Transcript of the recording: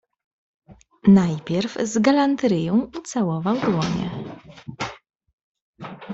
Najpierw z galanteryją ucałował dłonie